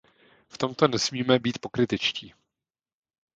V tomto nesmíme být pokrytečtí.